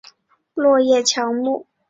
落叶乔木。